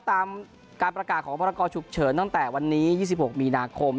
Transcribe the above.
ตามการประกาศของพรกรฉุกเฉินตั้งแต่วันนี้๒๖มีนาคม